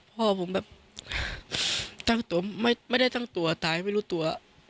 พ่อผมแบบตั้งตัวไม่ได้ทั้งตัวตายไม่รู้ตัว